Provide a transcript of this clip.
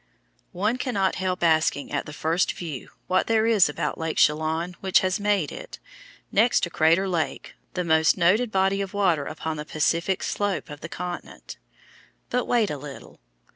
One cannot help asking at the first view what there is about Lake Chelan which has made it, next to Crater Lake, the most noted body of water upon the Pacific slope of the continent. But wait a little.